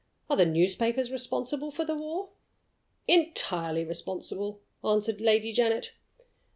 "Are the newspapers responsible for the war?" "Entirely responsible," answered Lady Janet.